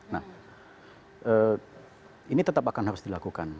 nah ini tetap akan harus dilakukan